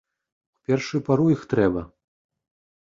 У першую пару іх трэба!